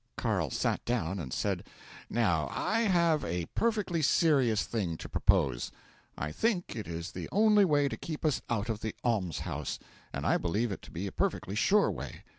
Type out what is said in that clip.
'Carl sat down, and said: '"Now, I have a perfectly serious thing to propose. I think it is the only way to keep us out of the almshouse, and I believe it to be a perfectly sure way.